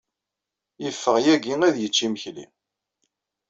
Yeffeɣ yagi ad yecc imekli.